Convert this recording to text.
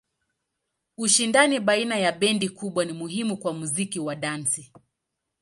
Ushindani baina ya bendi kubwa ni muhimu kwa muziki wa dansi.